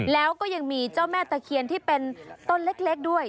แล้วก็ยังมีเจ้าแม่ตะเคียนที่เป็นต้นเล็กด้วย